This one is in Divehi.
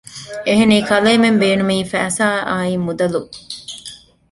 އެހެނީ ކަލޭމެން ބޭނުމީ ފައިސާ އާއި މުދަލު